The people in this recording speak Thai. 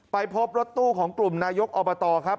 ไปพบรถตู้ของกลุ่มนายกอบตครับ